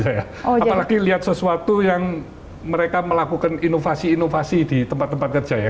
apalagi lihat sesuatu yang mereka melakukan inovasi inovasi di tempat tempat kerja ya